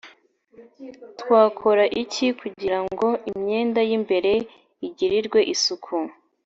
Twakora iki kugira ngo imyenda y’ imbere igirirwe isuku?